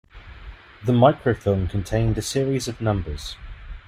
The microfilm contained a series of numbers.